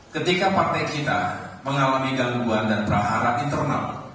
ketika partai kita mengalami gangguan dan prahara internal